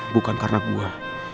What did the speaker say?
bukan karena gua